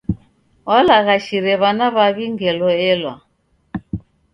W'alaghashire w'ana w'aw'i ngelo elwa.